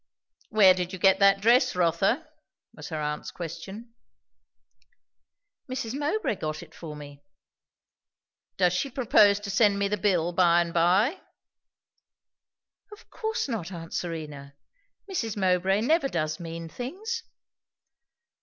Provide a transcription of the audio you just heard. "Where did you get that dress, Rotha?" was her aunt's question. "Mrs. Mowbray got it for me." "Does she propose to send me the bill by and by?" "Of course not! Aunt Serena, Mrs. Mowbray never does mean things."